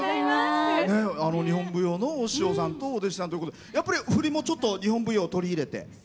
日本舞踊のお師匠さんとお弟子さんということでやっぱり振り付けも日本舞踊を取り入れて？